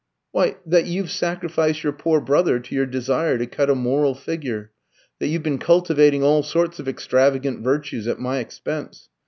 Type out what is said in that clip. "Why, that you've sacrificed your poor brother to your desire to cut a moral figure; that you've been cultivating all sorts of extravagant virtues at my expense.